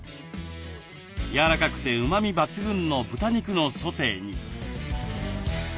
やわらかくてうまみ抜群の豚肉のソテーに。